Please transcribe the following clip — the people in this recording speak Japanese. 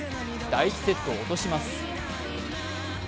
第１セットを落とします。